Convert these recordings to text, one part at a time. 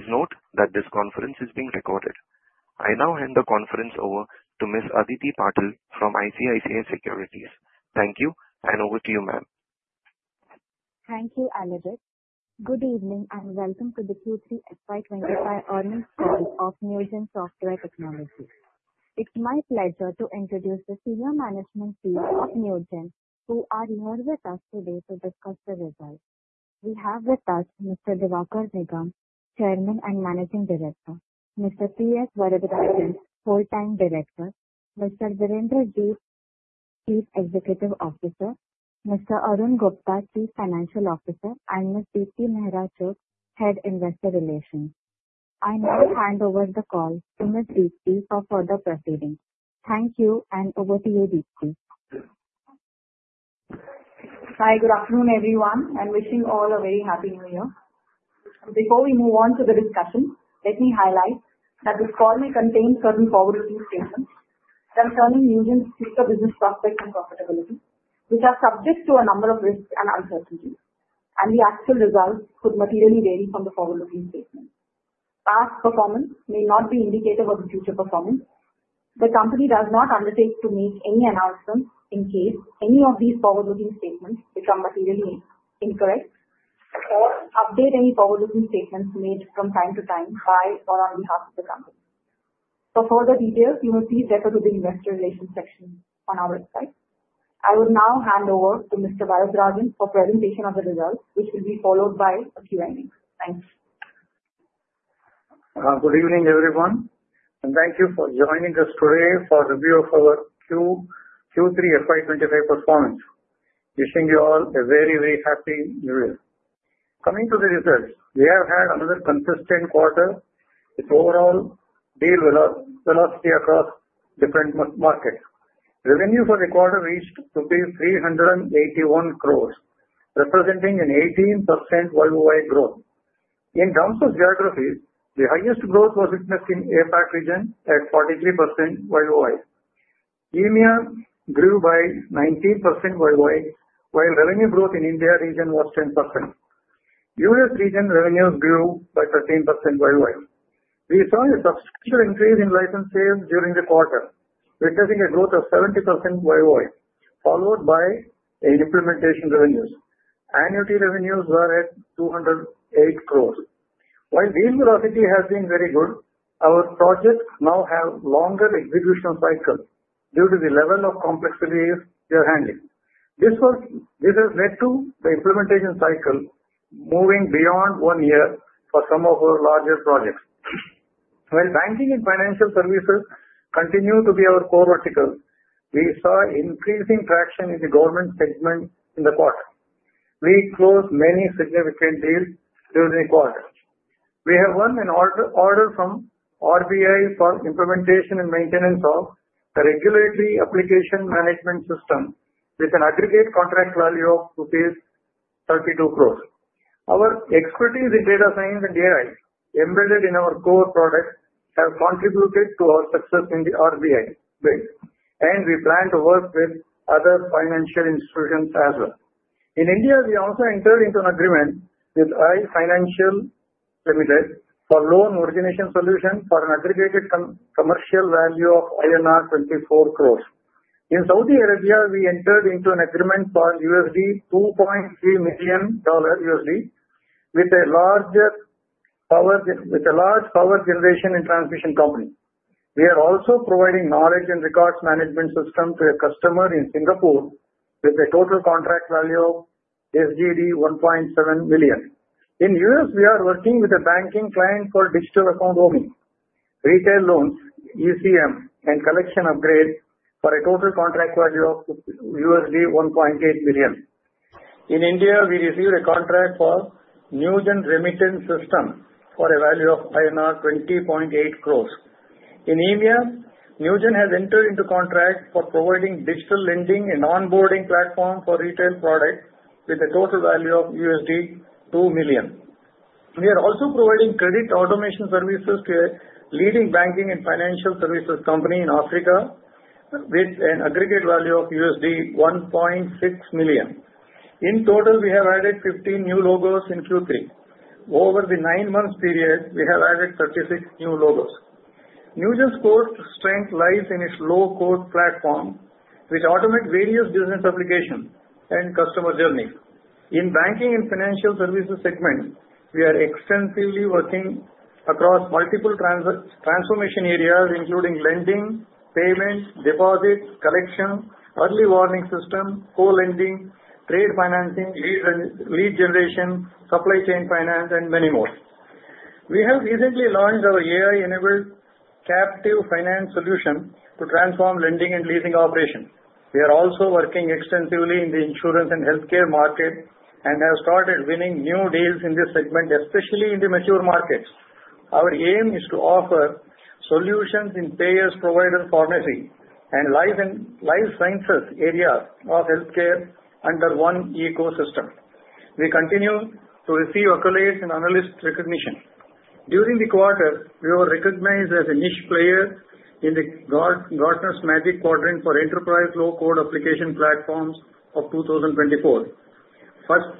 Please note that this conference is being recorded. I now hand the conference over to Ms. Aditi Patil from ICICI Securities. Thank you, and over to you, ma'am. Thank you, Alaric. Good evening and welcome to the Q3 FY 2025 earnings call of Newgen Software Technologies. It's my pleasure to introduce the senior management team of Newgen who are here with us today to discuss the results. We have with us Mr. Diwakar Nigam, Chairman and Managing Director, Mr. T. S. Varadarajan, Whole-time Director, Mr. Virender Jeet, Chief Executive Officer, Mr. Arun Gupta, Chief Financial Officer, and Ms. Deepti Chugh, Head Investor Relations. I now hand over the call to Ms. Deepti for further proceedings. Thank you, and over to you, Deepti. Hi, good afternoon, everyone. I'm wishing all a very happy New Year. Before we move on to the discussion, let me highlight that this call may contain certain forward-looking statements concerning Newgen's future business prospects and profitability, which are subject to a number of risks and uncertainties, and the actual results could materially vary from the forward-looking statements. Past performance may not be indicative of future performance. The company does not undertake to make any announcements in case any of these forward-looking statements become materially incorrect or update any forward-looking statements made from time to time by or on behalf of the company. For further details, you may please refer to the Investor Relations section on our website. I will now hand over to Mr. Varadarajan for presentation of the results, which will be followed by a Q&A. Thank you. Good evening, everyone, and thank you for joining us today for a review of our Q3 FY 2025 performance. Wishing you all a very, very happy New Year. Coming to the results, we have had another consistent quarter with overall deal velocity across different markets. Revenue for the quarter reached to be 381 crores, representing an 18% worldwide growth. In terms of geographies, the highest growth was witnessed in the APAC region at 43% worldwide. EMEA grew by 19% worldwide, while revenue growth in the India region was 10%. US region revenues grew by 13% worldwide. We saw a substantial increase in license sales during the quarter, witnessing a growth of 70% worldwide, followed by implementation revenues. Annuity revenues were at 208 crores. While deal velocity has been very good, our projects now have longer execution cycles due to the level of complexity we are handling. This has led to the implementation cycle moving beyond one year for some of our larger projects. While banking and financial services continue to be our core verticals, we saw increasing traction in the government segment in the quarter. We closed many significant deals during the quarter. We have won an order from RBI for implementation and maintenance of the regulatory application management system with an aggregate contract value of rupees 32 crores. Our expertise in data science and AI embedded in our core product has contributed to our success in the RBI win, and we plan to work with other financial institutions as well. In India, we also entered into an agreement with Aye Finance Limited for loan origination solution for an aggregated commercial value of INR 24 crores. In Saudi Arabia, we entered into an agreement for $2.3 million with a large power generation and transmission company. We are also providing knowledge and records management system to a customer in Singapore with a total contract value of SGD 1.7 million. In the U.S., we are working with a banking client for digital account opening, retail loans, ECM, and collection upgrade for a total contract value of $1.8 million. In India, we received a contract for Newgen Remittance System for a value of INR 20.8 crores. In India, Newgen has entered into a contract for providing digital lending and onboarding platform for retail products with a total value of $2 million. We are also providing credit automation services to a leading banking and financial services company in Africa with an aggregate value of $1.6 million. In total, we have added 15 new logos in Q3. Over the nine-month period, we have added 36 new logos. Newgen's core strength lies in its low-code platform, which automates various business applications and customer journeys. In banking and financial services segments, we are extensively working across multiple transformation areas, including lending, payment, deposit, collection, early warning system, co-lending, trade financing, lead generation, supply chain finance, and many more. We have recently launched our AI-enabled captive finance solution to transform lending and leasing operations. We are also working extensively in the insurance and healthcare market and have started winning new deals in this segment, especially in the mature markets. Our aim is to offer solutions in payers, providers, pharmacy, and life sciences areas of healthcare under one ecosystem. We continue to receive accolades and analyst recognition. During the quarter, we were recognized as a Niche Player in the Gartner's Magic Quadrant for enterprise low-code application platforms of 2024.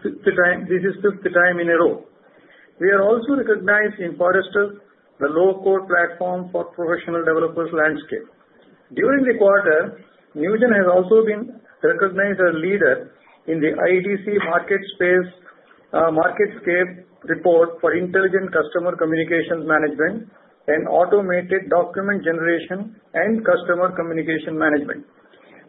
This is the fifth time in a row. We are also recognized in Forrester, the low-code platform for professional developers landscape. During the quarter, Newgen has also been recognized as a Leader in the IDC MarketScape report for intelligent customer communication management and automated document generation and customer communication management.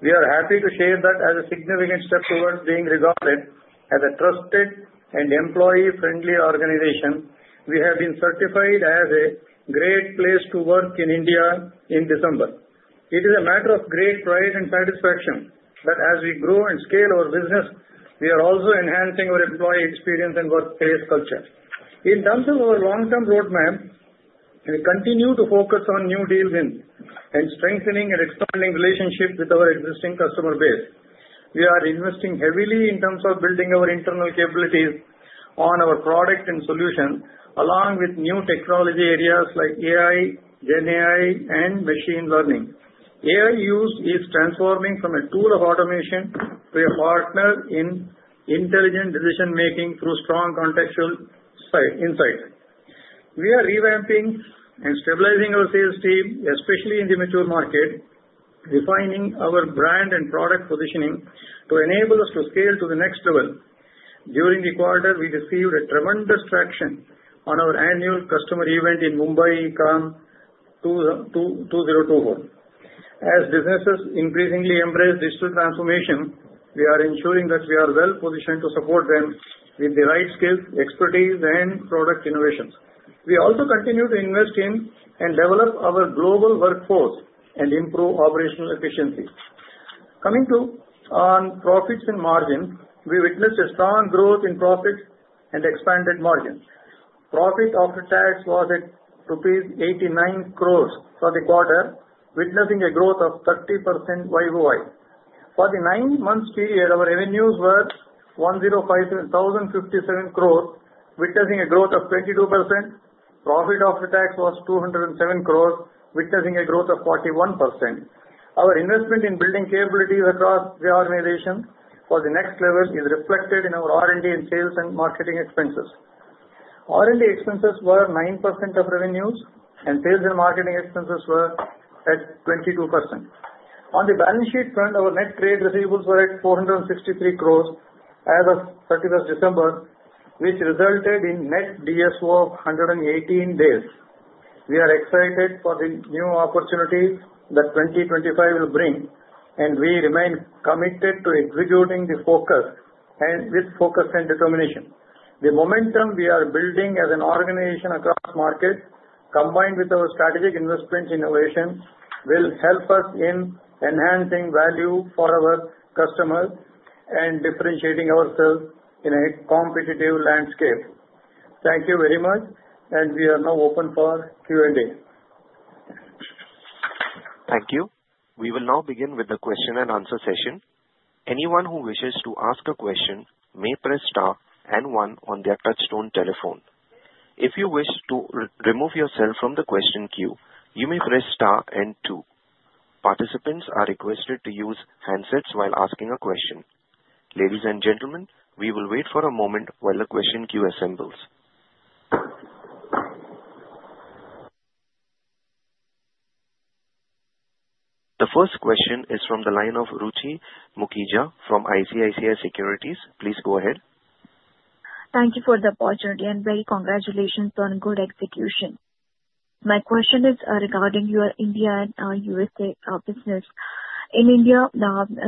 We are happy to share that, as a significant step towards being regarded as a trusted and employee-friendly organization. We have been certified as a Great Place to Work in India in December. It is a matter of great pride and satisfaction that as we grow and scale our business, we are also enhancing our employee experience and workplace culture. In terms of our long-term roadmap, we continue to focus on new deal wins and strengthening and expanding relationships with our existing customer base. We are investing heavily in terms of building our internal capabilities on our product and solutions, along with new technology areas like AI, GenAI, and machine learning. AI use is transforming from a tool of automation to a partner in intelligent decision-making through strong contextual insights. We are revamping and stabilizing our sales team, especially in the mature market, refining our brand and product positioning to enable us to scale to the next level. During the quarter, we received a tremendous traction on our annual customer event in Mumbai, EkAM 2024. As businesses increasingly embrace digital transformation, we are ensuring that we are well-positioned to support them with the right skills, expertise, and product innovations. We also continue to invest in and develop our global workforce and improve operational efficiency. Coming to profits and margins, we witnessed a strong growth in profit and expanded margins. Profit after tax was at rupees 89 crores for the quarter, witnessing a growth of 30% worldwide. For the nine-month period, our revenues were 1,057 crores, witnessing a growth of 22%. Profit after tax was 207 crores, witnessing a growth of 41%. Our investment in building capabilities across the organization for the next level is reflected in our R&D and sales and marketing expenses. R&D expenses were 9% of revenues, and sales and marketing expenses were at 22%. On the balance sheet front, our net trade receivables were at 463 crores as of 31st December, which resulted in net DSO of 118 days. We are excited for the new opportunities that 2025 will bring, and we remain committed to executing with focus and determination. The momentum we are building as an organization across markets, combined with our strategic investment innovations, will help us in enhancing value for our customers and differentiating ourselves in a competitive landscape. Thank you very much, and we are now open for Q&A. Thank you. We will now begin with the question-and-answer session. Anyone who wishes to ask a question may press star and one on their touchtone telephone. If you wish to remove yourself from the question queue, you may press Star and 2. Participants are requested to use handsets while asking a question. Ladies and gentlemen, we will wait for a moment while the question queue assembles. The first question is from the line of Ruchi Mukhija from ICICI Securities. Please go ahead. Thank you for the opportunity, and very congratulations on good execution. My question is regarding your India and USA business. In India,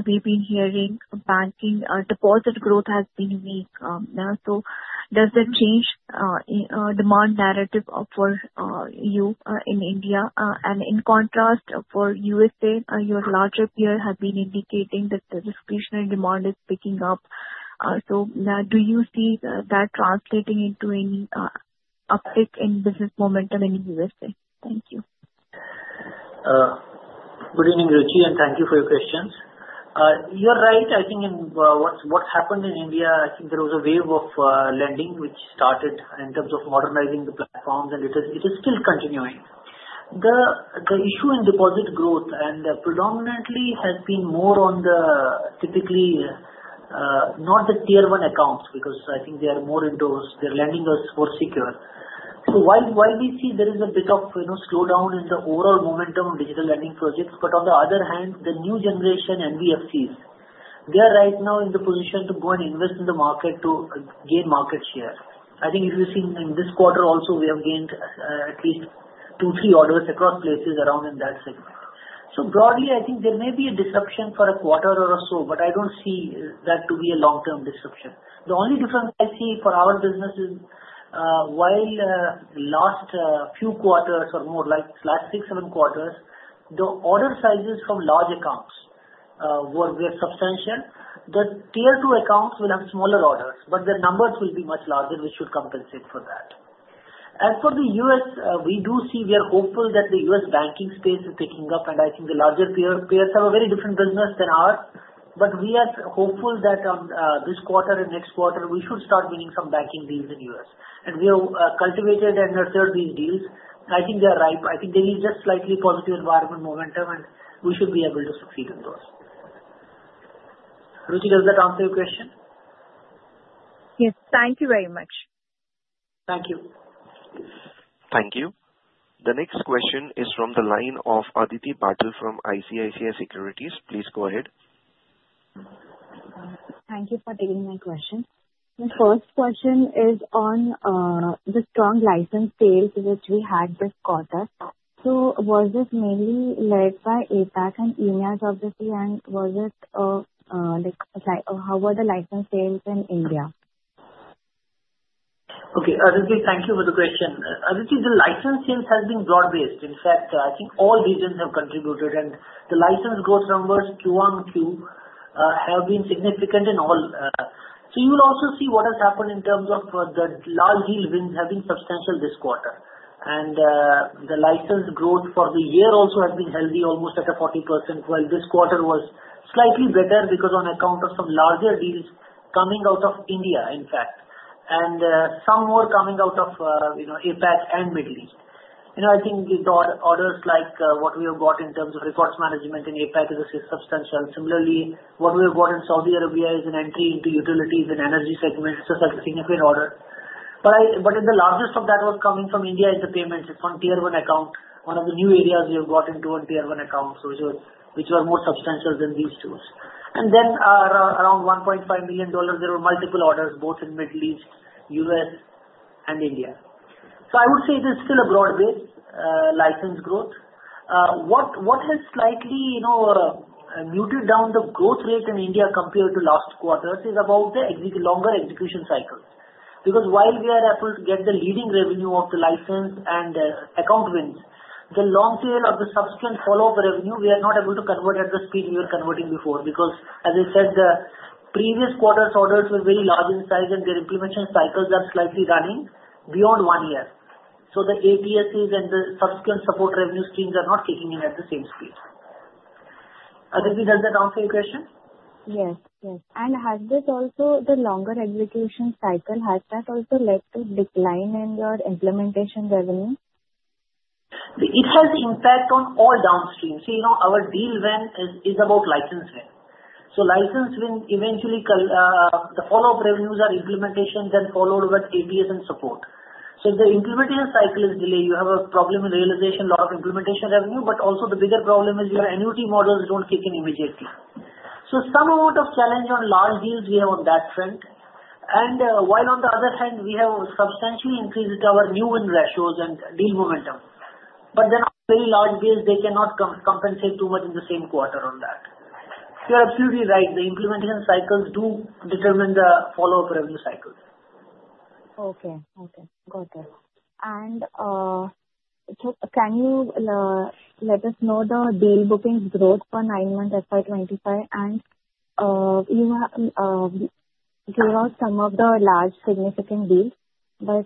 we've been hearing banking deposit growth has been unique. So does that change the demand narrative for you in India? And in contrast, for USA, your larger peer has been indicating that the discretionary demand is picking up. So do you see that translating into any uptick in business momentum in USA? Thank you. Good evening, Ruchi, and thank you for your questions. You're right. I think what happened in India, I think there was a wave of lending which started in terms of modernizing the platforms, and it is still continuing. The issue in deposit growth predominantly has been more on the typically not the tier-one accounts because I think they are more into their lending as more secure. So while we see there is a bit of slowdown in the overall momentum of digital lending projects, but on the other hand, the new generation NBFCs, they are right now in the position to go and invest in the market to gain market share. I think if you see in this quarter also, we have gained at least two, three orders across places around in that segment. So broadly, I think there may be a disruption for a quarter or so, but I don't see that to be a long-term disruption. The only difference I see for our business is while the last few quarters or more like last six, seven quarters, the order sizes from large accounts were substantial. The tier-two accounts will have smaller orders, but the numbers will be much larger, which should compensate for that. As for the U.S., we do see we are hopeful that the U.S. banking space is picking up, and I think the larger players have a very different business than ours, but we are hopeful that this quarter and next quarter, we should start winning some banking deals in the U.S. And we have cultivated and nurtured these deals. I think they are ripe. I think there is just slightly positive environmental momentum, and we should be able to succeed in those. Ruchi, does that answer your question? Yes. Thank you very much. Thank you. Thank you. The next question is from the line of Aditi Patil from ICICI Securities. Please go ahead. Thank you for taking my question. The first question is on the strong license sales which we had this quarter. So was this mainly led by APAC and EMEAs, obviously, and how were the license sales in India? Okay. Aditi, thank you for the question. Aditi, the license sales have been broad-based. In fact, I think all regions have contributed, and the license growth numbers Q1, Q2 have been significant in all. So you will also see what has happened in terms of the large deal wins having substantial this quarter. And the license growth for the year also has been healthy, almost at a 40%, while this quarter was slightly better because on account of some larger deals coming out of India, in fact, and some more coming out of APAC and Middle East. I think the orders like what we have got in terms of records management in APAC is substantial. Similarly, what we have got in Saudi Arabia is an entry into utilities and energy segment. It's a significant order. But the largest of that was coming from India is the payments. It's on Tier 1 account. One of the new areas we have got into on Tier 1 accounts, which were more substantial than these two, and then around $1.5 million, there were multiple orders, both in Middle East, U.S., and India, so I would say there's still a broad-based license growth. What has slightly muted down the growth rate in India compared to last quarter is about the longer execution cycle. Because while we are able to get the license revenue of the license and account wins, the long tail of the subsequent follow-up revenue, we are not able to convert at the speed we were converting before because, as I said, the previous quarter's orders were very large in size, and their implementation cycles are slightly running beyond one year, so the ATS and AMCs and the subsequent support revenue streams are not kicking in at the same speed. Aditi, does that answer your question? Yes. Yes. And has this also the longer execution cycle, has that also led to decline in your implementation revenue? It has impact on all downstream. See, our deal win is about license win. So, license win, eventually, the follow-up revenues are implementation then followed with ATS and support. So, if the implementation cycle is delayed, you have a problem in realization a lot of implementation revenue, but also the bigger problem is your NUT models don't kick in immediately. So, some amount of challenge on large deals we have on that front, and while on the other hand, we have substantially increased our new win ratios and deal momentum, but then on a very large base, they cannot compensate too much in the same quarter on that. You're absolutely right. The implementation cycles do determine the follow-up revenue cycle. Okay. Got it. And can you let us know the deal bookings growth for nine months FY 2025? And you gave us some of the large significant deals, but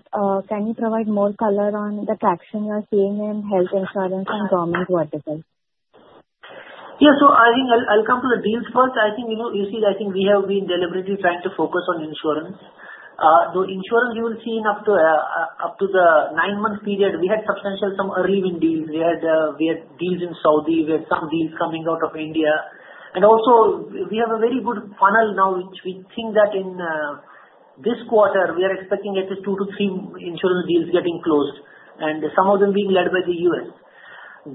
can you provide more color on the traction you are seeing in health insurance and government verticals? Yeah. So I think I'll come to the deals first. I think you see, I think we have been deliberately trying to focus on insurance. The insurance you will see up to the nine-month period, we had substantial some early win deals. We had deals in Saudi. We had some deals coming out of India. And also, we have a very good funnel now, which we think that in this quarter, we are expecting at least two to three insurance deals getting closed, and some of them being led by the U.S.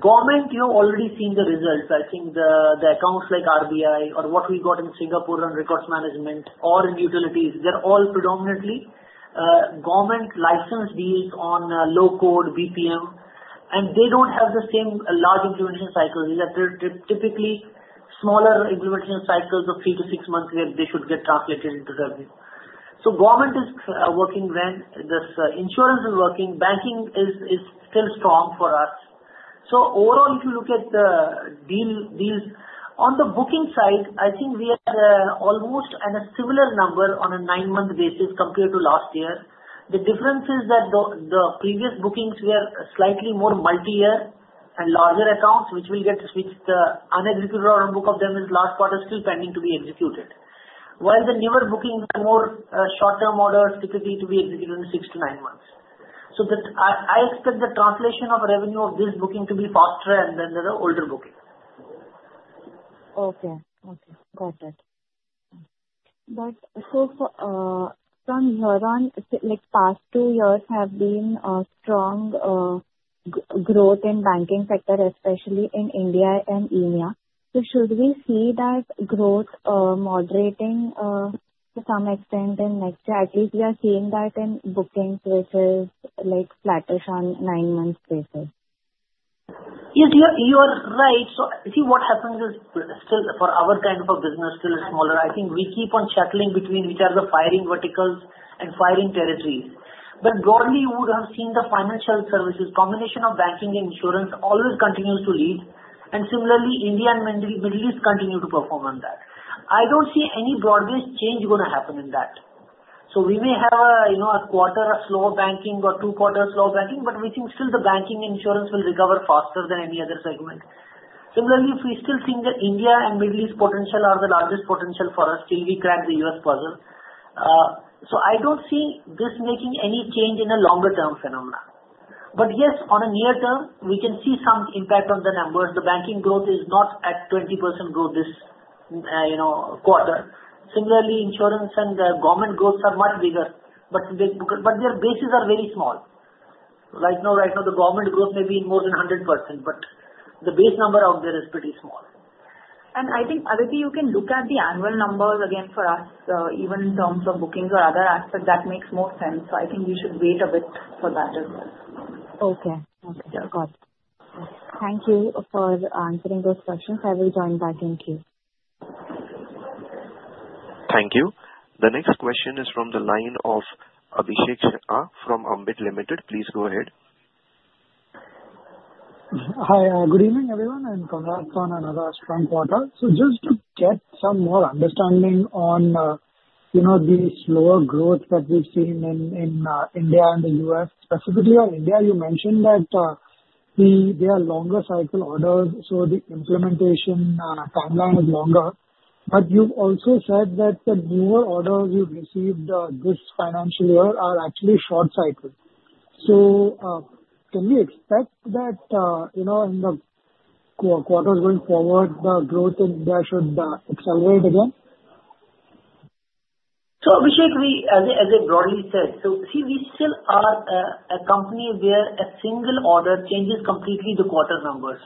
government. You have already seen the results. I think the accounts like RBI or what we got in Singapore on records management or in utilities, they're all predominantly government license deals on low-code BPM, and they don't have the same large implementation cycles. They are typically smaller implementation cycles of three to six months where they should get translated into revenue. So government is working well. Insurance is working. Banking is still strong for us. So overall, if you look at the deals, on the booking side, I think we are almost at a similar number on a nine-month basis compared to last year. The difference is that the previous bookings were slightly more multi-year and larger accounts, which will get executed. The unexecuted backlog of them is last quarter still pending to be executed. While the newer bookings are more short-term orders, typically to be executed in six to nine months. So I expect the translation of revenue of this booking to be faster than the older booking. Okay. Got it. But so far, from your past two years, there has been strong growth in the banking sector, especially in India and EMEA. So should we see that growth moderating to some extent in next year? At least we are seeing that in bookings, which is flattish on nine-month basis. Yes, you are right. So see what happens is still for our kind of a business, still smaller. I think we keep on shuttling between which are the firing verticals and firing territories. But broadly, you would have seen the financial services combination of banking and insurance always continues to lead. And similarly, India and Middle East continue to perform on that. I don't see any broad-based change going to happen in that. We may have a quarter of slow banking or two-quarter slow banking, but we think still the banking and insurance will recover faster than any other segment. Similarly, we still think that India and Middle East potential are the largest potential for us, still we crack the U.S. puzzle. I don't see this making any change in a longer-term phenomenon. But yes, on a near term, we can see some impact on the numbers. The banking growth is not at 20% growth this quarter. Similarly, insurance and government growth are much bigger, but their bases are very small. Right now, the government growth may be more than 100%, but the base number out there is pretty small. And I think, Aditi, you can look at the annual numbers again for us, even in terms of bookings or other aspects. That makes more sense. So I think we should wait a bit for that as well. Okay. Okay. Got it. Thank you for answering those questions. I will join back in a few. Thank you. The next question is from the line of Abhishek Shah from Ambit Limited. Please go ahead. Hi. Good evening, everyone. And congrats on another strong quarter. So just to get some more understanding on the slower growth that we've seen in India and the U.S., specifically on India, you mentioned that they are longer cycle orders, so the implementation timeline is longer. But you've also said that the newer orders you've received this financial year are actually short cycle. So can we expect that in the quarters going forward, the growth in India should accelerate again? So Abhishek, as I broadly said, so see, we still are a company where a single order changes completely the quarter numbers.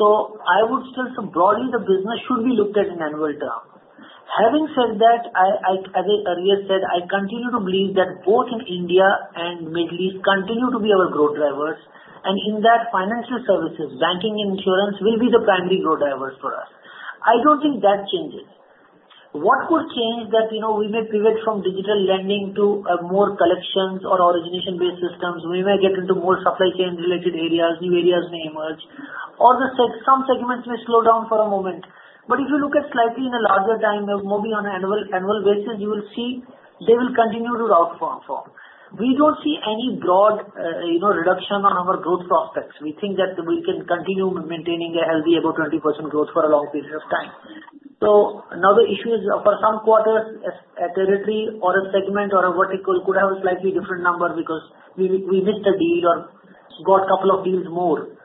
So I would still say broadly, the business should be looked at in annual term. Having said that, as I earlier said, I continue to believe that both in India and Middle East continue to be our growth drivers. And in that, financial services, banking, and insurance will be the primary growth drivers for us. I don't think that changes. What could change that we may pivot from digital lending to more collections or origination-based systems? We may get into more supply chain-related areas. New areas may emerge. All the same some segments may slow down for a moment. But if you look at slightly in a larger time, maybe on an annual basis, you will see they will continue to grow from. We don't see any broad reduction on our growth prospects. We think that we can continue maintaining a healthy above 20% growth for a long period of time. So now the issue is for some quarters, a territory or a segment or a vertical could have a slightly different number because we missed a deal or got a couple of deals more.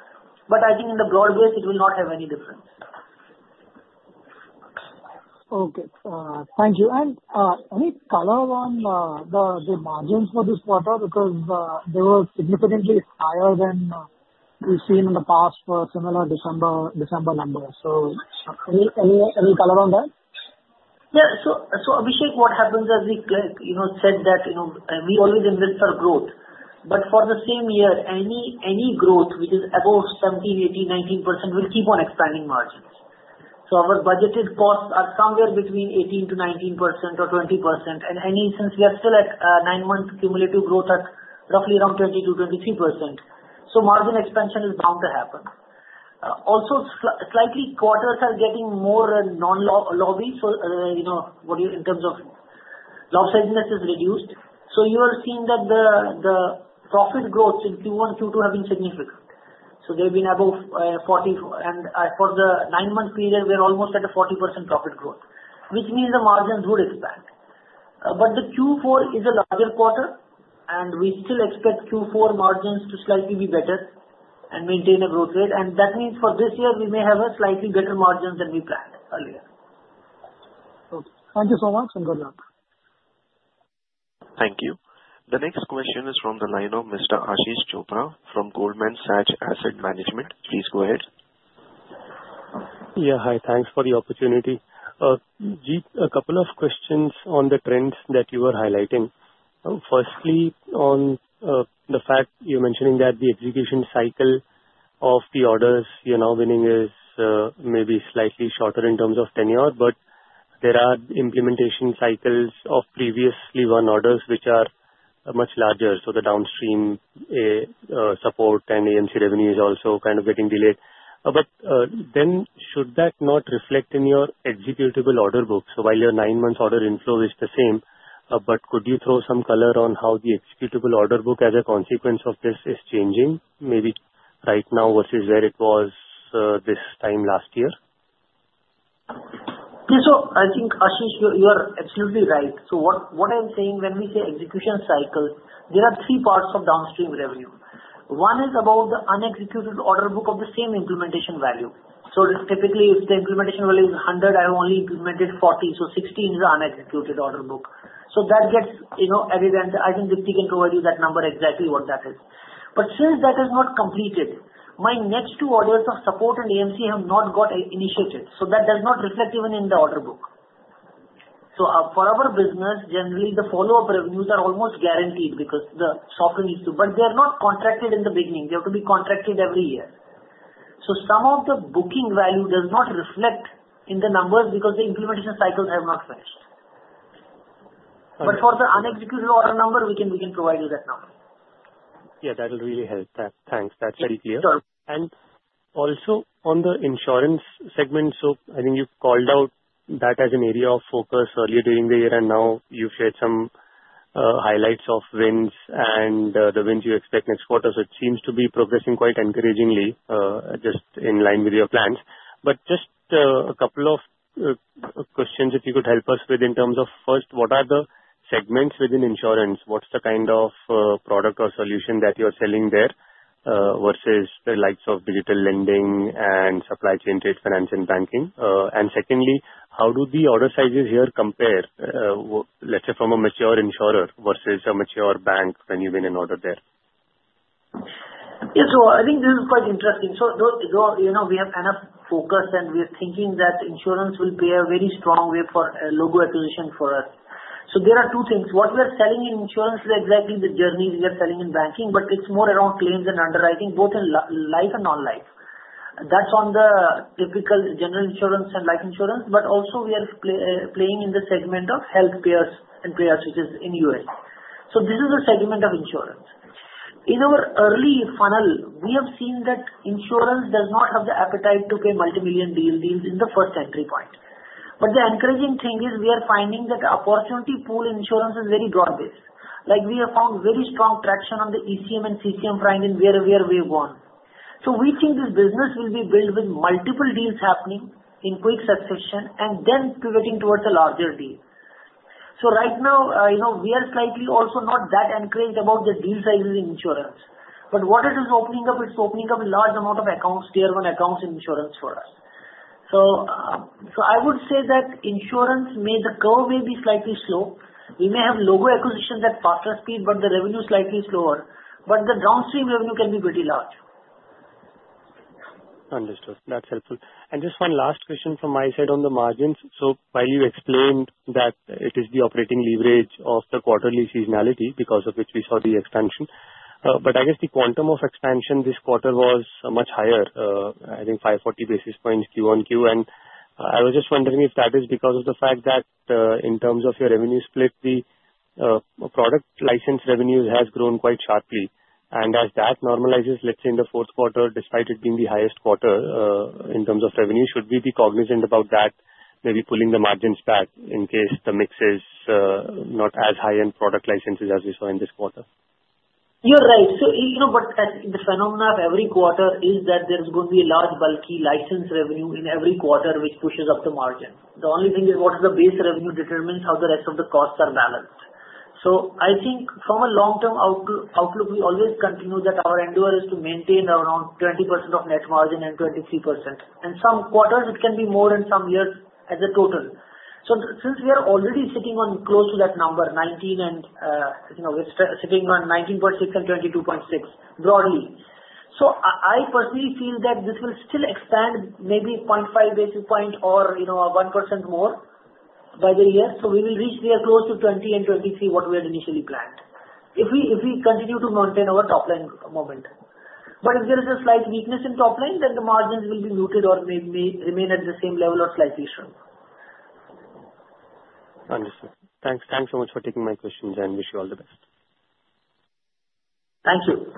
But I think in the broad base, it will not have any difference. Okay. Thank you, and any color on the margins for this quarter? Because they were significantly higher than we've seen in the past for similar December numbers, so any color on that? Yeah. So Abhishek, what happens as we said that we always invest for growth. But for the same year, any growth, which is above 17%, 18%, 19%, will keep on expanding margins. So our budgeted costs are somewhere between 18%-19% or 20%. And since we are still at nine-month cumulative growth at roughly around 22%-23%, so margin expansion is bound to happen. Also, slightly quarters are getting more non-lumpy so in terms of lumpiness is reduced. So you are seeing that the profit growth in Q1, Q2 have been significant. So they've been above 40. And for the nine-month period, we're almost at a 40% profit growth, which means the margins would expand. But the Q4 is a larger quarter, and we still expect Q4 margins to slightly be better and maintain a growth rate. That means for this year, we may have a slightly better margin than we planned earlier. Okay. Thank you so much and good luck. Thank you. The next question is from the line of Mr. Ashish Chopra from Goldman Sachs Asset Management. Please go ahead. Yeah. Hi. Thanks for the opportunity. A couple of questions on the trends that you were highlighting. Firstly, on the fact you're mentioning that the execution cycle of the orders winning is maybe slightly shorter in terms of tenure, but there are implementation cycles of previously run orders which are much larger. So the downstream support and AMC revenue is also kind of getting delayed. But then should that not reflect in your executable order book? So while your nine-month order inflow is the same, but could you throw some color on how the executable order book as a consequence of this is changing, maybe right now versus where it was this time last year? Yeah. So I think, Ashish, you are absolutely right. So what I'm saying when we say execution cycle, there are three parts of downstream revenue. One is about the unexecuted order book of the same implementation value. So typically, if the implementation value is 100, I have only implemented 40. So 60 is the unexecuted order book. So that gets added and I think Deepti can provide you that number exactly what that is. But since that is not completed, my next two orders of support and AMC have not got initiated. So that does not reflect even in the order book. So for our business, generally, the follow-up revenues are almost guaranteed because the software needs to. But they are not contracted in the beginning. They have to be contracted every year. So some of the booking value does not reflect in the numbers because the implementation cycles have not finished. But for the unexecuted order number, we can provide you that number. Yeah. That'll really help. Thanks. That's very clear. And also on the insurance segment, so I think you called out that as an area of focus earlier during the year, and now you've shared some highlights of wins and the wins you expect next quarter. So it seems to be progressing quite encouragingly, just in line with your plans. But just a couple of questions if you could help us with in terms of first, what are the segments within insurance? What's the kind of product or solution that you're selling there versus the likes of digital lending and supply chain-based finance and banking? And secondly, how do the order sizes here compare, let's say, from a mature insurer versus a mature bank when you've won orders there? Yeah. So I think this is quite interesting. So we have enough focus, and we are thinking that insurance will be a very strong way for a logo acquisition for us. So there are two things. What we are selling in insurance is exactly the journey we are selling in banking, but it's more around claims and underwriting, both in life and non-life. That's on the typical general insurance and life insurance, but also we are playing in the segment of health payers and payers, which is in U.S. So this is the segment of insurance. In our early funnel, we have seen that insurance does not have the appetite to pay multi-million deals in the first entry point. But the encouraging thing is we are finding that opportunity pool insurance is very broad-based. We have found very strong traction on the ECM and CCM front in insurance where we have won. So we think this business will be built with multiple deals happening in quick succession and then pivoting towards a larger deal. So right now, we are slightly also not that encouraged about the deal sizes in insurance. But what it is opening up, it's opening up a large amount of accounts, tier-one accounts in insurance for us. So I would say that insurance, the curve may be slightly slow. We may have logo acquisition at faster speed, but the revenue is slightly slower. But the downstream revenue can be pretty large. Understood. That's helpful. And just one last question from my side on the margins. So while you explained that it is the operating leverage of the quarterly seasonality because of which we saw the expansion, but I guess the quantum of expansion this quarter was much higher, I think 540 basis points QoQ. And I was just wondering if that is because of the fact that in terms of your revenue split, the product license revenue has grown quite sharply. And as that normalizes, let's say in the fourth quarter, despite it being the highest quarter in terms of revenue, should we be cognizant about that, maybe pulling the margins back in case the mix is not as high-end product licenses as we saw in this quarter? You're right. But the phenomenon of every quarter is that there's going to be a large lumpy license revenue in every quarter, which pushes up the margin. The only thing is what is the base revenue determines how the rest of the costs are balanced. So I think from a long-term outlook, we always continue that our endeavor to maintain around 20% net margin and 23%. And some quarters, it can be more in some years as a total. So since we are already sitting on close to that number, 19% and we're sitting on 19.6% and 22.6% broadly. So I personally feel that this will still expand maybe 0.5 basis point or 1% more by the year. So we will reach there close to 20% and 23%, what we had initially planned, if we continue to maintain our top-line momentum. But if there is a slight weakness in top-line, then the margins will be muted or may remain at the same level or slightly stronger. Understood. Thanks. Thanks so much for taking my questions, and wish you all the best. Thank you.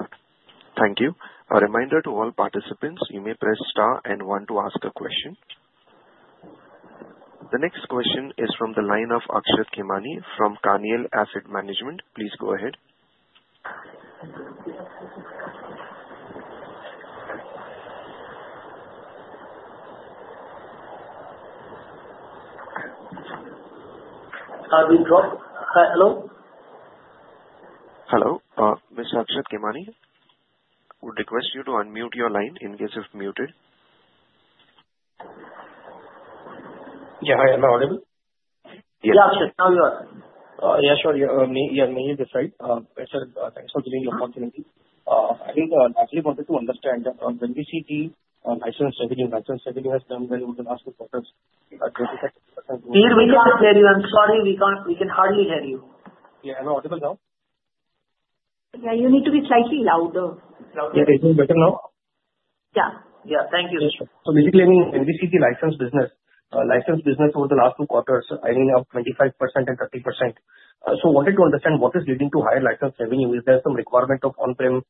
Thank you. A reminder to all participants, you may press star and one to ask a question. The next question is from the line of Akshat Khemani from Carnelian Asset Management. Please go ahead. Have you dropped? Hello? Hello. Mr. Akshat Khemani, would request you to unmute your line in case you've muted. Yeah. Hi. Am I audible? Yes. Yeah, Akshat. Now you are. May I just say, thanks for giving the opportunity. I think actually for them to understand that when we see the license revenue has done well within the last two quarters, 20%. Dear, we can't hear you. I'm sorry. We can hardly hear you. Yeah. Am I audible now? Yeah. You need to be slightly louder. Yeah. Is it better now? Yeah. Yeah. Thank you. So, basically, I mean, when we see the license business, license business over the last two quarters, I mean, of 25% and 30%. So, wanted to understand what is leading to higher license revenue. Is there some requirement of on-prem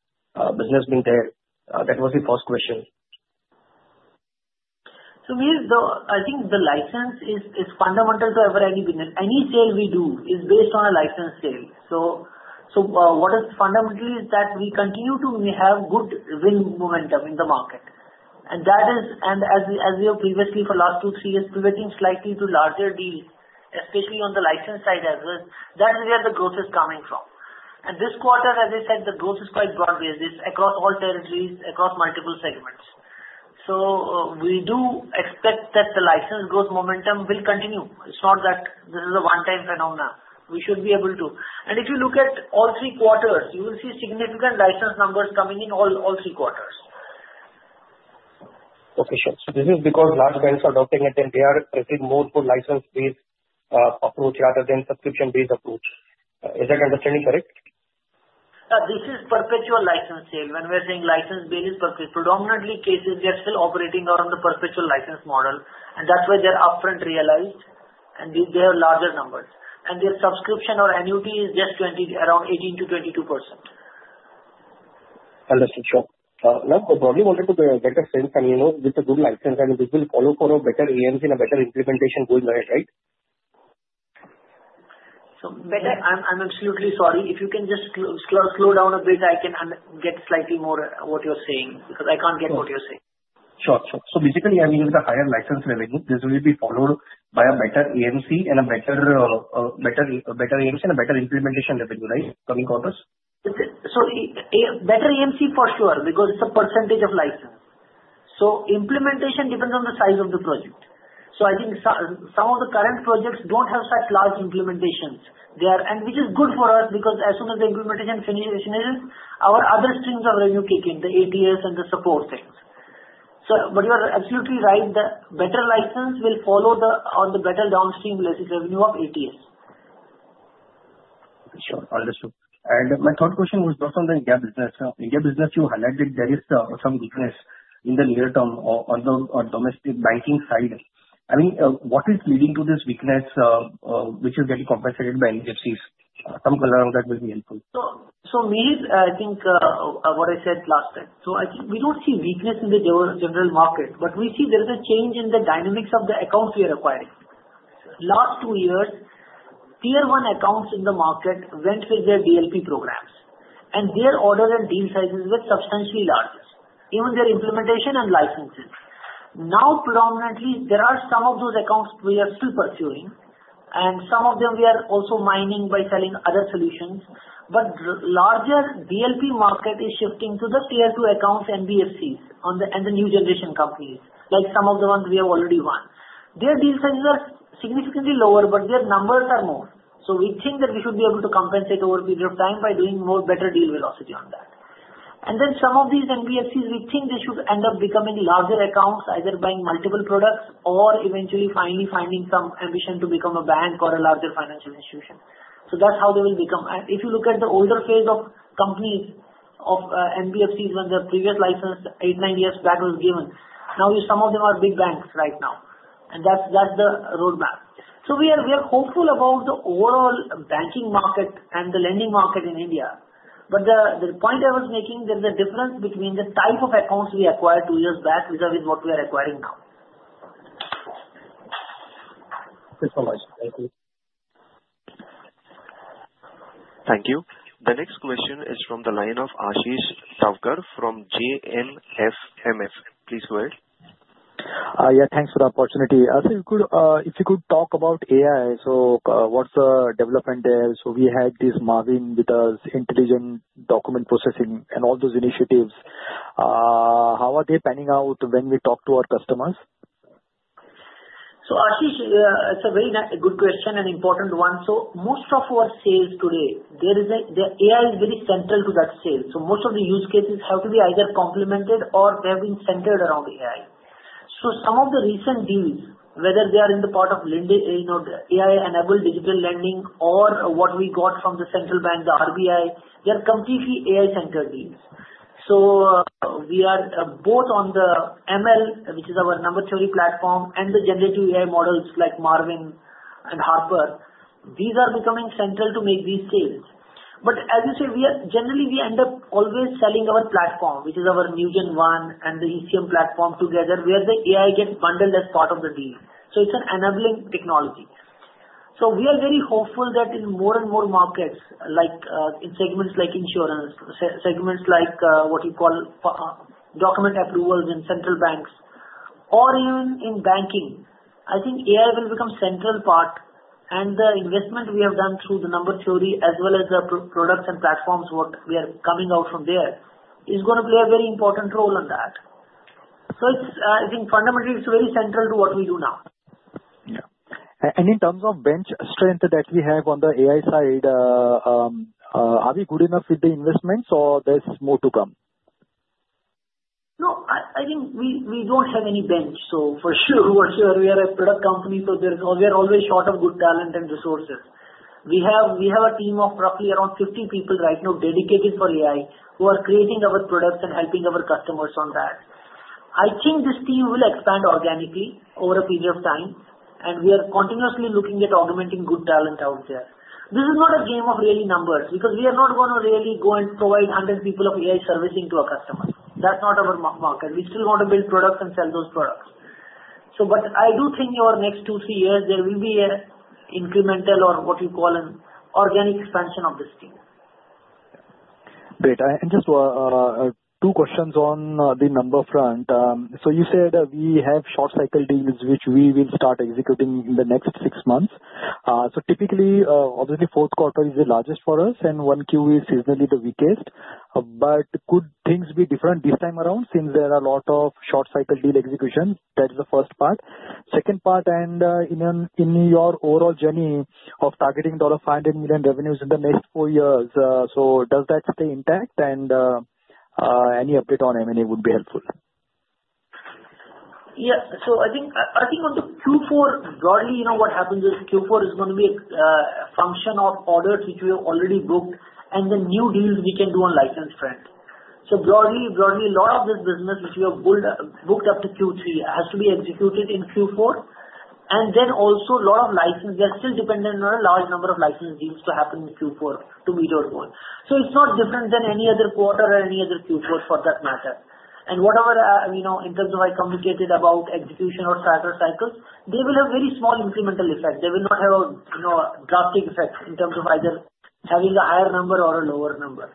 business being there? That was the first question. So I think the license is fundamental to every sale we do is based on a license sale. So what is fundamental is that we continue to have good win momentum in the market. And as we have previously for the last two, three years, pivoting slightly to larger deals, especially on the license side as well, that's where the growth is coming from. And this quarter, as I said, the growth is quite broad-based across all territories, across multiple segments. So we do expect that the license growth momentum will continue. It's not that this is a one-time phenomenon. We should be able to. And if you look at all three quarters, you will see significant license numbers coming in all three quarters. Okay. So this is because large banks are adopting it, and they are taking more to license-based approach rather than subscription-based approach. Is that understanding correct? This is perpetual license sale. When we're saying license-based, predominantly cases, they are still operating on the perpetual license model. And that's why they're upfront realized, and they have larger numbers. And their subscription or annuity is just around 18%-22%. Understood. Sure. Now, I broadly wanted to get a sense, and with the good license, I mean, this will follow for a better AMC and a better implementation going ahead, right? So I'm absolutely sorry. If you can just slow down a bit, I can get slightly more what you're saying because I can't get what you're saying. Sure. Sure. So basically, I mean, with a higher license revenue, this will be followed by a better AMC and a better AMC and a better implementation revenue, right, coming quarters? So, better AMC for sure because it's a percentage of license. Implementation depends on the size of the project. I think some of the current projects don't have such large implementations, which is good for us because as soon as the implementation finishes, our other streams of revenue kick in, the ATS and the support things. But you are absolutely right that better license will follow on the better downstream revenue of ATS. Sure. Understood. And my third question was just on the India business. In India business, you highlighted there is some weakness in the near term on the domestic banking side. I mean, what is leading to this weakness, which is getting compensated by NBFCs? Some color on that will be helpful. So maybe I think what I said last time. So I think we don't see weakness in the general market, but we see there is a change in the dynamics of the accounts we are acquiring. Last two years, tier-one accounts in the market went with their DLP programs, and their order and deal sizes were substantially larger, even their implementation and licenses. Now, predominantly, there are some of those accounts we are still pursuing, and some of them we are also mining by selling other solutions. But larger DLP market is shifting to the tier-2 accounts and NBFCs and the new generation companies, like some of the ones we have already won. Their deal sizes are significantly lower, but their numbers are more. So we think that we should be able to compensate over a period of time by doing more better deal velocity on that. And then some of these NBFCs, we think they should end up becoming larger accounts, either buying multiple products or eventually finally finding some ambition to become a bank or a larger financial institution. So that's how they will become. And if you look at the older phase of companies of NBFCs when the previous license eight, nine years back was given, now some of them are big banks right now. And that's the roadmap. So we are hopeful about the overall banking market and the lending market in India. But the point I was making, there's a difference between the type of accounts we acquired two years back versus what we are acquiring now. Thank you. Thank you. The next question is from the line of Ashish Thavkar from JMFMF. Please go ahead. Yeah. Thanks for the opportunity. So if you could talk about AI, so what's the development there? So we had this Marvin with us, intelligent document processing and all those initiatives. How are they panning out when we talk to our customers? Ashish, it's a very good question and important one. Most of our sales today, the AI is very central to that sale. Most of the use cases have to be either complemented or they have been centered around AI. Some of the recent deals, whether they are in the part of AI-enabled digital lending or what we got from the central bank, the RBI, they are completely AI-centered deals. We are both on the ML, which is our Number Theory platform, and the generative AI models like Marvin and Harper. These are becoming central to make these sales. But as you say, generally, we end up always selling our platform, which is our NewgenONE and the ECM platform together, where the AI gets bundled as part of the deal. It's an enabling technology. So we are very hopeful that in more and more markets, in segments like insurance, segments like what you call document approvals in central banks, or even in banking, I think AI will become a central part. And the investment we have done through the Number Theory as well as the products and platforms what we are coming out from there is going to play a very important role in that. So I think fundamentally, it's very central to what we do now. Yeah. And in terms of bench strength that we have on the AI side, are we good enough with the investments, or there's more to come? No. I think we don't have any bench. So for sure, we are a product company. So we are always short of good talent and resources. We have a team of roughly around 50 people right now dedicated for AI who are creating our products and helping our customers on that. I think this team will expand organically over a period of time, and we are continuously looking at augmenting good talent out there. This is not a game of really numbers because we are not going to really go and provide 100 people of AI servicing to a customer. That's not our market. We still want to build products and sell those products. But I do think over the next two, three years, there will be an incremental or what you call an organic expansion of this team. Great. And just two questions on the number front. So you said we have short-cycle deals, which we will start executing in the next six months. So typically, obviously, fourth quarter is the largest for us, and one Q is seasonally the weakest. But could things be different this time around since there are a lot of short-cycle deal execution? That's the first part. Second part, and in your overall journey of targeting $500 million revenues in the next four years, so does that stay intact? And any update on M&A would be helpful. Yeah. So I think on the Q4, broadly, what happens is Q4 is going to be a function of orders which we have already booked, and then new deals we can do on license front. So broadly, a lot of this business which we have booked up to Q3 has to be executed in Q4. And then also, a lot of license, we are still dependent on a large number of license deals to happen in Q4 to meet our goal. So it's not different than any other quarter or any other Q4 for that matter. And whatever, in terms of I communicated about execution or starter cycles, they will have very small incremental effect. They will not have a drastic effect in terms of either having a higher number or a lower number.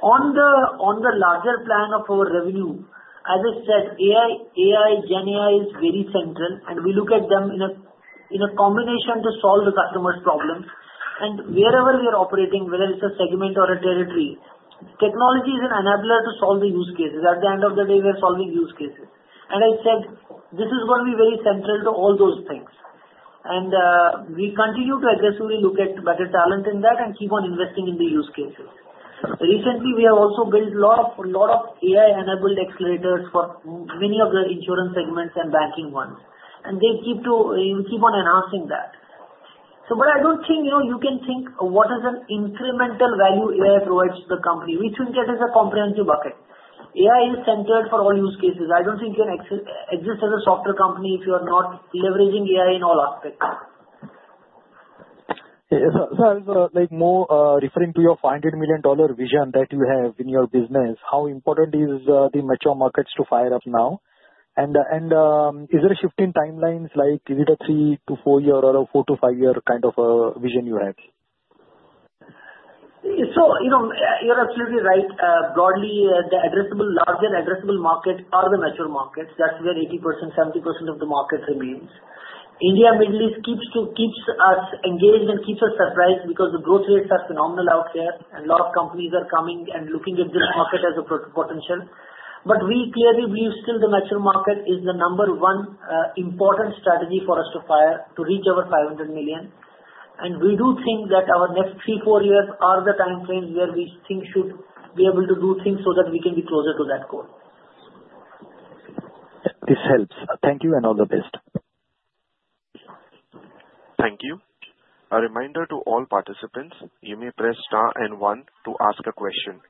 On the larger plan of our revenue, as I said, AI, GenAI is very central, and we look at them in a combination to solve the customer's problems. And wherever we are operating, whether it's a segment or a territory, technology is an enabler to solve the use cases. At the end of the day, we are solving use cases. And I said, this is going to be very central to all those things. And we continue to aggressively look at better talent in that and keep on investing in the use cases. Recently, we have also built a lot of AI-enabled accelerators for many of the insurance segments and banking ones. And we keep on enhancing that. But I don't think you can think what is an incremental value AI provides to the company, which, in fact, is a comprehensive bucket. AI is centered for all use cases. I don't think you can exist as a software company if you are not leveraging AI in all aspects. So I was more referring to your $500 million vision that you have in your business. How important is the mature markets to fire up now? And is there a shift in timelines, like is it a three to four-year or a four to five-year kind of vision you have? So you're absolutely right. Broadly, the larger addressable markets are the mature markets. That's where 80%, 70% of the market remains. India, Middle East keeps us engaged and keeps us surprised because the growth rates are phenomenal out there, and a lot of companies are coming and looking at this market as a potential. But we clearly believe still the mature market is the number one important strategy for us to fire to reach over 500 million. And we do think that our next three, four years are the timeframes where we think we should be able to do things so that we can be closer to that goal. This helps. Thank you and all the best. Thank you. A reminder to all participants, you may press star and one to ask a question.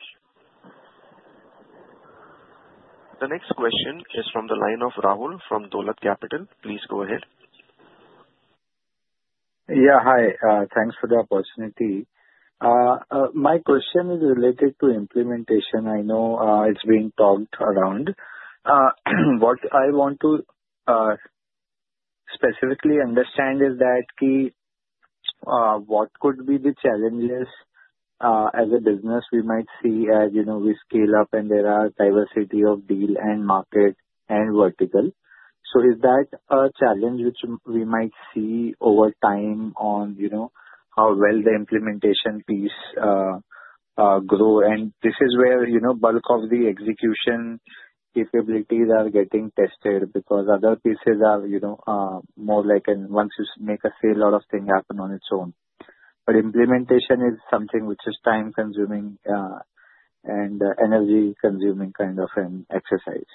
The next question is from the line of Rahul from Dolat Capital. Please go ahead. Yeah. Hi. Thanks for the opportunity. My question is related to implementation. I know it's being talked around. What I want to specifically understand is that what could be the challenges as a business we might see as we scale up, and there are diversity of deal and market and vertical. So is that a challenge which we might see over time on how well the implementation piece grow? And this is where bulk of the execution capabilities are getting tested because other pieces are more like once you make a sale, a lot of things happen on its own. But implementation is something which is time-consuming and energy-consuming kind of an exercise.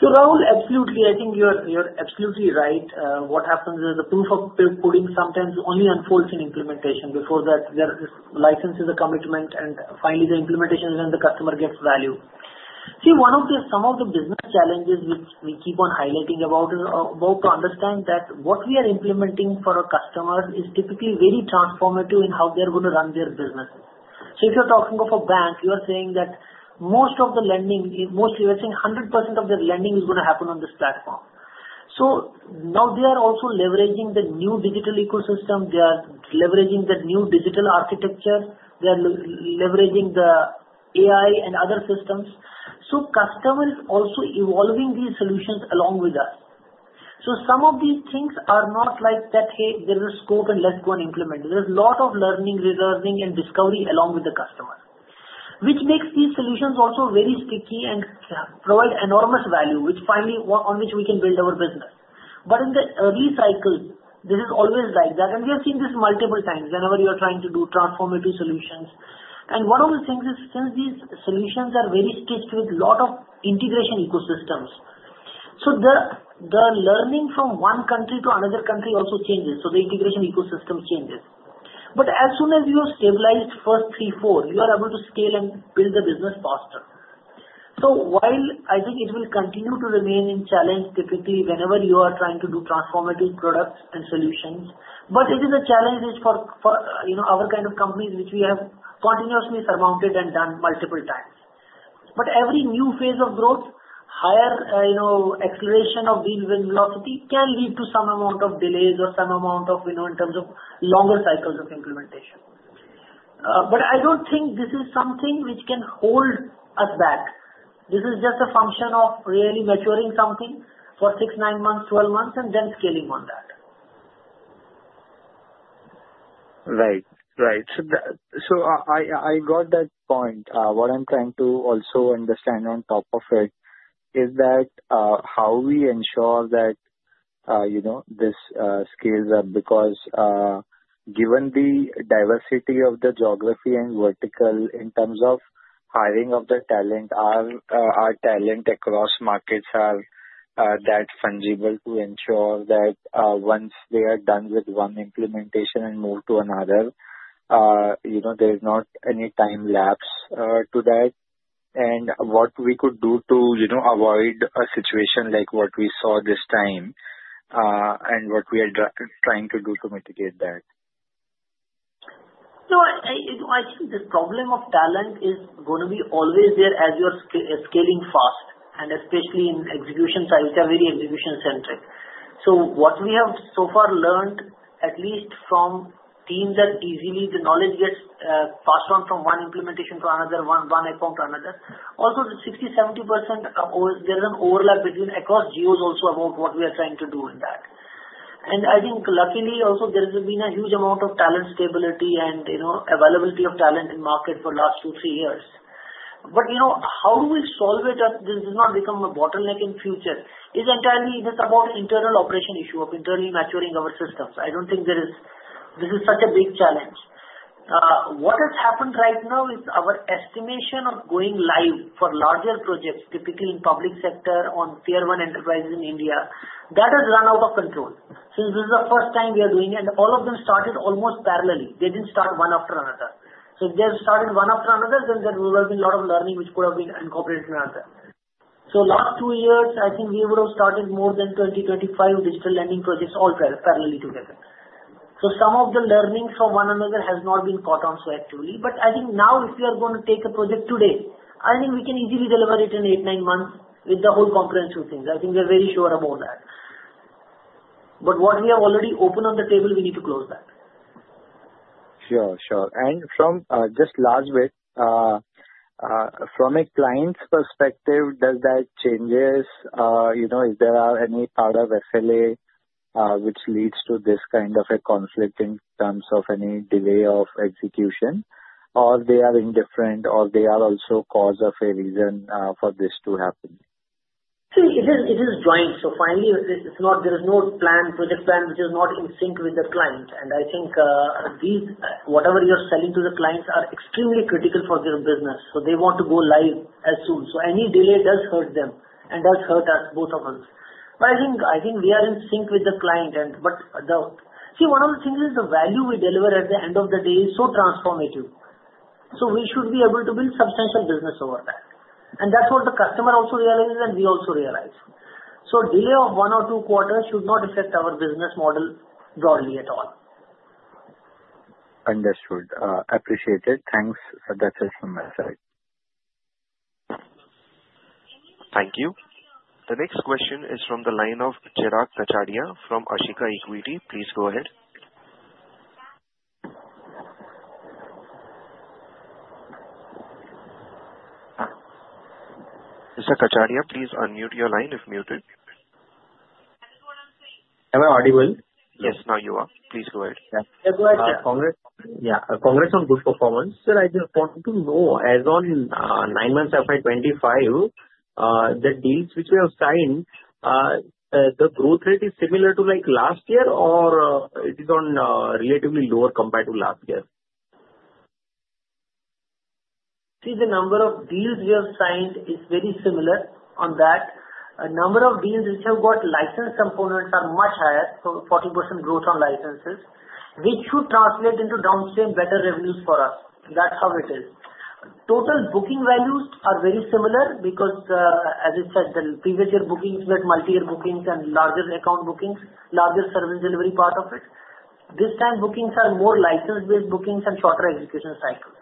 So Rahul, absolutely. I think you're absolutely right. What happens is the proof of putting sometimes only unfolds in implementation. Before that, license is a commitment, and finally, the implementation is when the customer gets value. See, one of the business challenges which we keep on highlighting about is about to understand that what we are implementing for our customers is typically very transformative in how they're going to run their business. So if you're talking of a bank, you are saying that most of the lending, mostly, we're saying 100% of their lending is going to happen on this platform. So now they are also leveraging the new digital ecosystem. They are leveraging the new digital architecture. They are leveraging the AI and other systems. So customers are also evolving these solutions along with us. So some of these things are not like that, "Hey, there's a scope and let's go and implement." There's a lot of learning, re-learning, and discovery along with the customer, which makes these solutions also very sticky and provide enormous value, which finally on which we can build our business. But in the early cycles, this is always like that. And we have seen this multiple times whenever you are trying to do transformative solutions. And one of the things is since these solutions are very stitched with a lot of integration ecosystems, so the learning from one country to another country also changes. So the integration ecosystem changes. But as soon as you have stabilized first three, four, you are able to scale and build the business faster. So while I think it will continue to remain a challenge, typically, whenever you are trying to do transformative products and solutions, but it is a challenge for our kind of companies, which we have continuously surmounted and done multiple times. But every new phase of growth, higher acceleration of deal velocity can lead to some amount of delays or some amount of, in terms of, longer cycles of implementation. But I don't think this is something which can hold us back. This is just a function of really maturing something for six, nine months, 12 months, and then scaling on that. Right. Right. So I got that point. What I'm trying to also understand on top of it is how we ensure that this scales up because given the diversity of the geography and vertical in terms of hiring of the talent, our talent across markets are that fungible to ensure that once they are done with one implementation and move to another, there is not any time lapse to that. And what we could do to avoid a situation like what we saw this time and what we are trying to do to mitigate that? I think the problem of talent is going to be always there as you're scaling fast, and especially in execution side, which are very execution-centric. So what we have so far learned, at least from teams that easily the knowledge gets passed on from one implementation to another, one account to another, also the 60%-70%, there's an overlap across geos also about what we are trying to do in that. And I think, luckily, also there has been a huge amount of talent stability and availability of talent in the market for the last two, three years. But how do we solve it? This does not become a bottleneck in the future. It's about internal operation issue of internally maturing our systems. I don't think this is such a big challenge. What has happened right now is our estimation of going live for larger projects, typically in public sector on tier one enterprises in India, that has run out of control. So this is the first time we are doing it, and all of them started almost parallelly. They didn't start one after another. So if they started one after another, then there would have been a lot of learning which could have been incorporated in another. So last two years, I think we would have started more than 20, 25 digital lending projects all parallelly together. So some of the learnings from one another have not been caught on so accurately. But I think now if we are going to take a project today, I think we can easily deliver it in eight, nine months with the whole comprehensive things. I think we are very sure about that. But what we have already opened on the table, we need to close that. Sure. Sure. And just last bit, from a client's perspective, does that change? Is there any part of SLA which leads to this kind of a conflict in terms of any delay of execution, or they are indifferent, or they are also cause of a reason for this to happen? See, it is joint. So finally, there is no project plan which is not in sync with the client. And I think whatever you're selling to the clients are extremely critical for their business. So they want to go live as soon. So any delay does hurt them and does hurt us, both of us. But I think we are in sync with the client. But see, one of the things is the value we deliver at the end of the day is so transformative. So we should be able to build substantial business over that. And that's what the customer also realizes, and we also realize. So delay of one or two quarters should not affect our business model broadly at all. Understood. Appreciate it. Thanks. That's it from my side. Thank you. The next question is from the line of Chirag Kachhadiya from Ashika Equities. Please go ahead. Mr. Kachhadiya, please unmute your line if muted. Hello? Audio well? Yes, now you are. Please go ahead. Yeah. Congrats. Yeah. Congrats on good performance. Sir, I just want to know, as on nine months FY 2025, the deals which we have signed, the growth rate is similar to last year, or it is on relatively lower compared to last year? See, the number of deals we have signed is very similar on that. The number of deals which have got license components are much higher, so 40% growth on licenses, which should translate into downstream better revenues for us. That's how it is. Total booking values are very similar because, as I said, the previous year bookings met multi-year bookings and larger account bookings, larger service delivery part of it. This time, bookings are more license-based bookings and shorter execution cycles.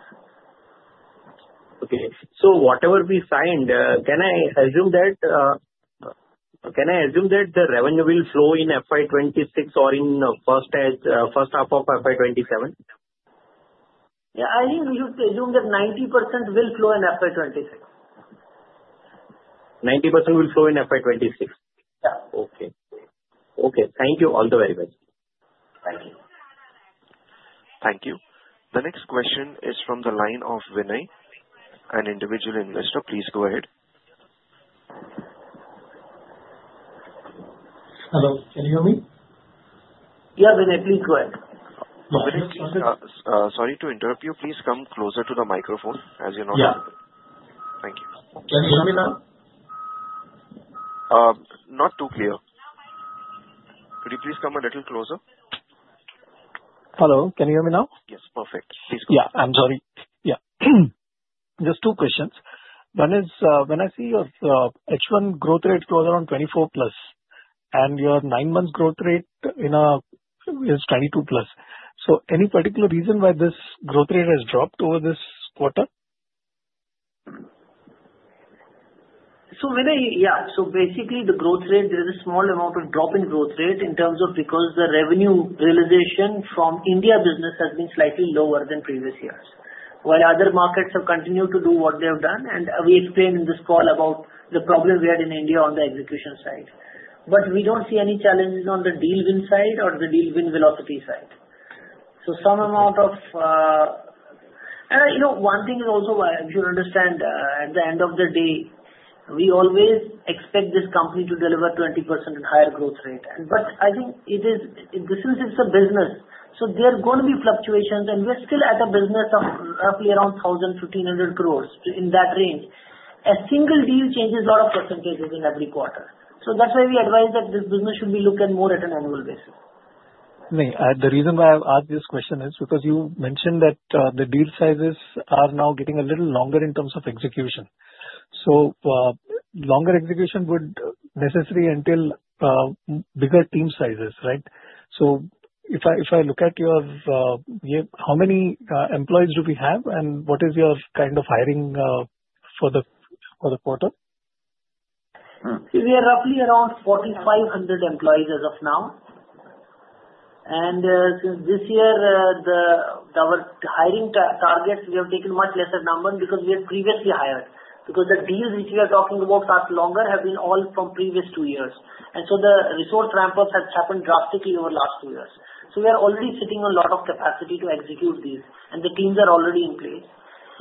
Okay. So whatever we signed, can I assume that the revenue will flow in FY 2026 or in the first half of FY 2027? Yeah. I think we should assume that 90% will flow in FY 2026. 90% will flow in FY 2026. Yeah. Okay. Thank you all very much. Thank you. Thank you. The next question is from the line of Vinay, an individual investor. Please go ahead. Hello. Can you hear me? Yeah, Vinay, please go ahead. Sorry to interrupt you. Please come closer to the microphone as you're not comfortable. Yeah. Thank you. Can you hear me now? Not too clear. Could you please come a little closer? Hello. Can you hear me now? Yes. Perfect. Please go ahead. Yeah. I'm sorry. Yeah. Just two questions. One is, when I see your H1 growth rate goes around 24 plus, and your nine months growth rate is 22 plus. So any particular reason why this growth rate has dropped over this quarter? So Vinay, yeah. So basically, the growth rate, there is a small amount of drop in growth rate in terms of because the revenue realization from India business has been slightly lower than previous years, while other markets have continued to do what they have done. And we explained in this call about the problem we had in India on the execution side. But we don't see any challenges on the deal win side or the deal win velocity side. So some amount of, and one thing is also why you should understand, at the end of the day, we always expect this company to deliver 20% higher growth rate. But I think this is a business. So there are going to be fluctuations, and we're still at a business of roughly around 1,000-1,500 crores in that range. A single deal changes a lot of percentages in every quarter. So that's why we advise that this business should be looked at more at an annual basis. The reason why I've asked this question is because you mentioned that the deal sizes are now getting a little longer in terms of execution. So longer execution would necessarily entail bigger team sizes, right? So if I look at your, how many employees do you have, and what is your kind of hiring for the quarter? See, we are roughly around 4,500 employees as of now, and since this year, our hiring targets, we have taken much lesser number because we had previously hired. Because the deals which we are talking about are longer, have been all from previous two years, and so the resource ramp-up has happened drastically over the last two years, so we are already sitting on a lot of capacity to execute these, and the teams are already in place.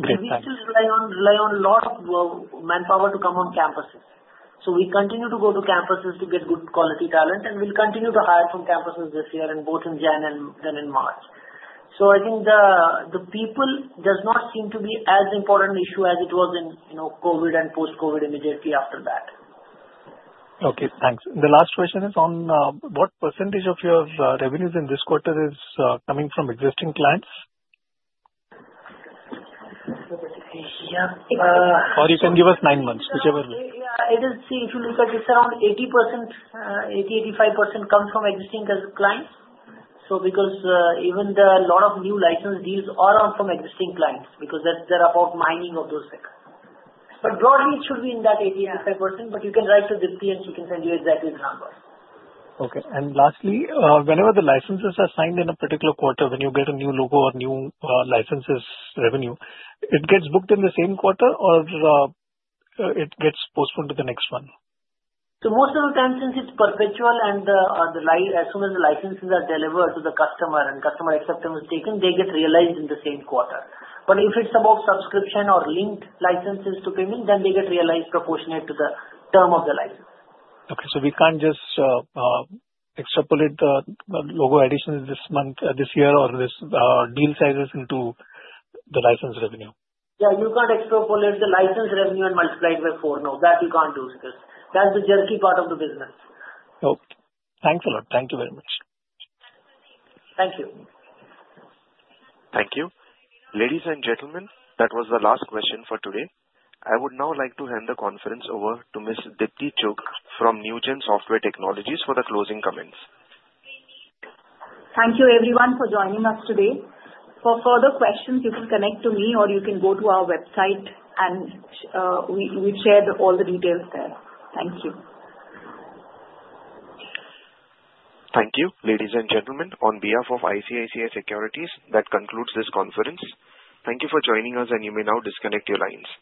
We still rely on a lot of manpower to come on campuses, so we continue to go to campuses to get good quality talent, and we'll continue to hire from campuses this year, and both in January and then in March, so I think the people does not seem to be as important an issue as it was in COVID and post-COVID immediately after that. Okay. Thanks. The last question is on what percent of your revenues in this quarter is coming from existing clients? Yeah. Or you can give us nine months, whichever way. Yeah. See, if you look at this, around 80%-85% comes from existing clients. So because even a lot of new license deals are from existing clients because they're about mining of those things. But broadly, it should be in that 80%-85%, but you can write to Deepti, and she can send you exactly the numbers. Okay. And lastly, whenever the licenses are signed in a particular quarter, when you get a new logo or new licenses revenue, it gets booked in the same quarter, or it gets postponed to the next one? So most of the time, since it's perpetual, and as soon as the licenses are delivered to the customer and customer acceptance is taken, they get realized in the same quarter. But if it's about subscription or linked licenses to payment, then they get realized proportionate to the term of the license. Okay. So we can't just extrapolate the logo additions this month, this year, or this deal sizes into the license revenue? Yeah. You can't extrapolate the license revenue and multiply it by four. No, that you can't do because that's the jerky part of the business. Okay. Thanks a lot. Thank you very much. Thank you. Thank you. Ladies and gentlemen, that was the last question for today. I would now like to hand the conference over to Ms. Deepti Chugh from Newgen Software Technologies for the closing comments. Thank you, everyone, for joining us today. For further questions, you can connect to me, or you can go to our website, and we've shared all the details there. Thank you. Thank you. Ladies and gentlemen, on behalf of ICICI Securities, that concludes this conference. Thank you for joining us, and you may now disconnect your lines.